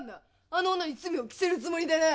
あの女に罪を着せるつもりでね。